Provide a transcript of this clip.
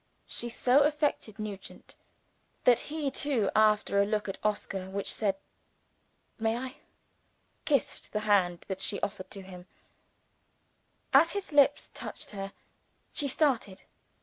She so affected Nugent that he too after a look at Oscar which said, "May I?" kissed the hand that she offered to him. As his lips touched her, she started.